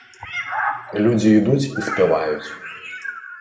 Людзі ідуць і спяваюць!